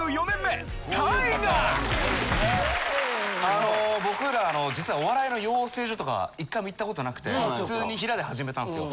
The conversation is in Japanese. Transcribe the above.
あの僕ら実はお笑いの養成所とか１回も行ったことなくて普通にヒラで始めたんすよ。